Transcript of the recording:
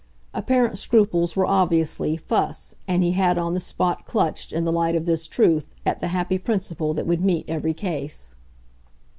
Apparent scruples were, obviously, fuss, and he had on the spot clutched, in the light of this truth, at the happy principle that would meet every case.